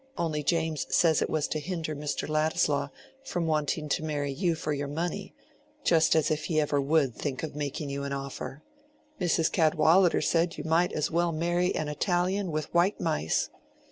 Only James says it was to hinder Mr. Ladislaw from wanting to marry you for your money—just as if he ever would think of making you an offer. Mrs. Cadwallader said you might as well marry an Italian with white mice!